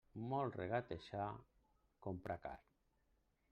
Molt regatejar, comprar car.